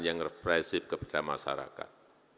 yang repressif kepada masyarakat